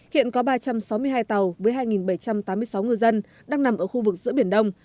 hiện có ba trăm sáu mươi hai tàu với hai bảy trăm tám mươi sáu ngư dân đang nằm ở khu vực giữa biển đông